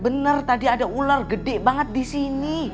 bener tadi ada ular gede banget di sini